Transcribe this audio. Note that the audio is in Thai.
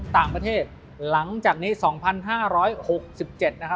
ต่างประเทศหลังจากนี้สองพันห้าร้อยหกสิบเจ็ดนะครับ